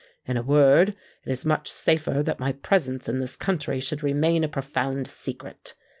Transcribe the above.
In a word, it is much safer that my presence in this country should remain a profound secret.